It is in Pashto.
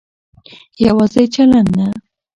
يواځې چلن نه